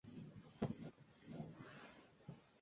La carretera une Medina Sidonia con Vejer de la Frontera.